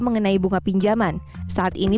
mengenai bunga pinjaman saat ini